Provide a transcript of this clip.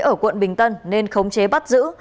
ở quận bình tân nên không chế bắt giữ